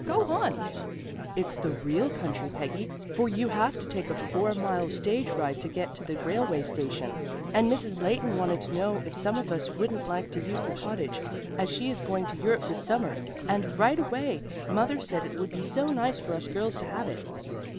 Go on." "It's the real country, Peggy, for you have to take a four mile stage ride to get to the railway station. And Mrs. Leighton wanted to know if some of us wouldn't like to use the cottage, as she is going to Europe this summer. And, right away, mother said it would be so nice for us girls to have it."